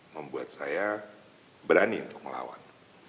membuat saya berani untuk melawan